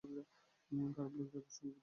খারাপ লোকেদের প্রসঙ্গ ব্যতীত অন্যকিছু, হয়তো।